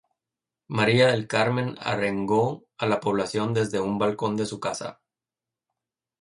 María del Carmen arengó a la población desde un balcón de su casa.